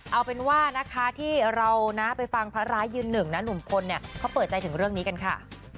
เอาเป็นว่านะคะที่เรานะไปฟังพระร้ายยืนหนึ่งนะหนุ่มพลเนี่ยเขาเปิดใจถึงเรื่องนี้กันค่ะ